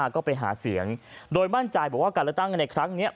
ก็ไปหาเสียงโดยมั่นใจบอกว่าการเลือกตั้งในครั้งนี้